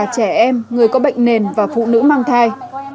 trẻ em người có bệnh nền và phụ nữ mang thai